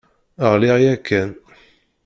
Ɣliɣ yakan.